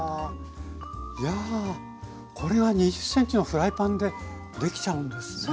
いやこれは２０ｃｍのフライパンでできちゃうんですね。